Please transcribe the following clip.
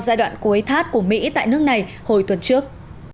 giai đoạn cuối thắt của mỹ tại nước này hồi tuần trước